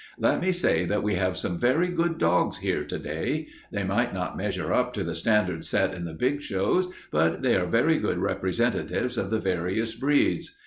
Let me say that we have some very good dogs here to day. They might not measure up to the standard set in the big shows, but they are very good representatives of the various breeds.